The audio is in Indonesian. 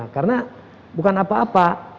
karena bukan apa apa